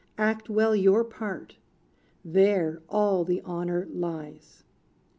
Act well your part: there all the honor lies."